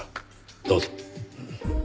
どうぞ。